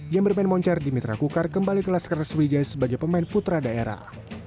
yang bermain moncar dimitra kukar kembali kelas keras sriwijaya sebagai pemain putra daerah